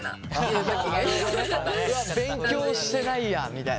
うわっ勉強してないやみたいな？